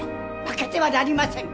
負けてはなりません！